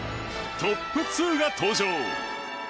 トップ２が登場！